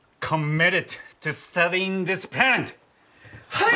はい！